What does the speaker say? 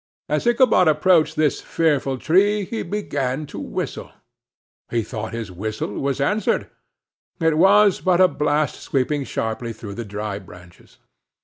As Ichabod approached this fearful tree, he began to whistle; he thought his whistle was answered; it was but a blast sweeping sharply through the dry branches.